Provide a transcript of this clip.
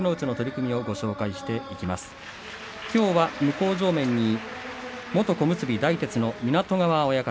きょうは向正面に元小結大徹の湊川親方。